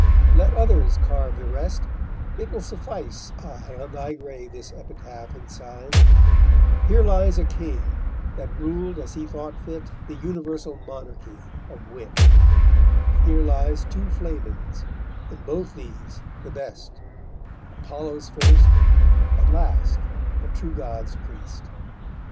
Let others carve the rest; it will suffice I on thy grave this epitaph incise: Here lies a King, that ruled as he thought fit The universal monarchy of wit; Here lies two Flamens, and both these the best, Apollo's first, at last the True God's priest_.